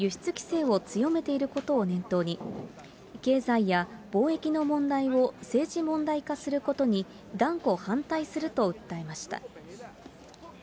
また、アメリカが中国に対して、ハイテク製品などの輸出規制を強めていることを念頭に、経済や貿易の問題を政治問題化することに断固反対すると訴えました。